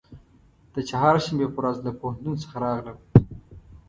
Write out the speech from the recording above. د چهارشنبې په ورځ له پوهنتون څخه راغلم.